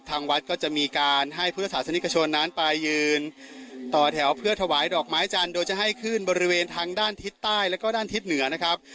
ทางวัดก็จะมีการให้พุทธศาสนิกชนนั้นไปยืนต่อแถวเพื่อถวายดอกไม้จันทร์โดยจะให้ขึ้นบริเวณทางด้านทิศใต้แล้วก็ด้านทิศเหนือนะครับ